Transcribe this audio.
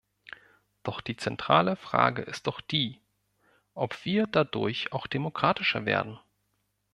Doch die zentrale Frage ist doch die, ob wir dadurch auch demokratischer werden.